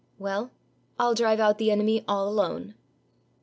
"Well, I'll drive out the enemy all alone."